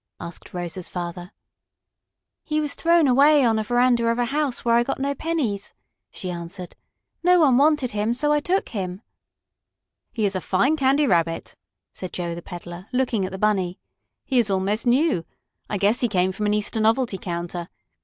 asked Rosa's father. "He was thrown away on a veranda of a house where I got no pennies," she answered. "No one wanted him, so I took him." "He is a fine Candy Rabbit," said Joe, the peddler, looking at the Bunny. "He is almost new. I guess he came from an Easter novelty counter.